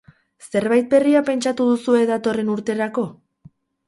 Zerbait berria pentsatu duzue datorren urterako?